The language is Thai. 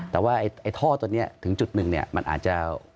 แต่ว่าไอ้ท่อตัวนี้ถึงจุดหนึ่งเนี่ยมันอาจจะ